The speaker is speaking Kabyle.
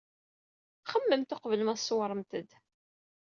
Xemmememt uqbel ma tsewremt-d.